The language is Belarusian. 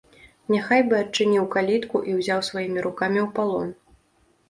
Няхай бы адчыніў калітку і ўзяў сваімі рукамі ў палон.